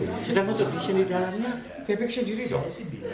sedangkan untuk di sini dalamnya kebik sendiri dong